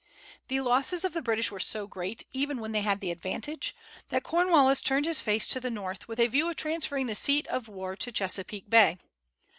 The losses of the British were so great, even when they had the advantage, that Cornwallis turned his face to the North, with a view of transferring the seat of war to Chesapeake Bay.